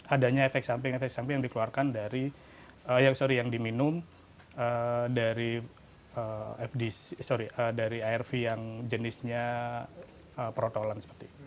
adanya efek samping yang dikeluarkan dari yang diminum dari arv yang jenisnya protolan